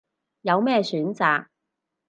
有咩選擇